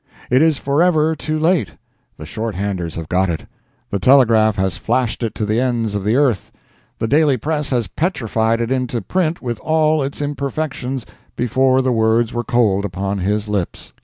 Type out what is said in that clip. It is forever too late—the short handers have got it, the telegraph has flashed it to the ends of the earth, the daily press has petrified it into print with all its imperfections before the words were cold upon his lips.